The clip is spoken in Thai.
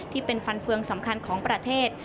ที่เป็นฟันเฟืองสำคัญของประเทศ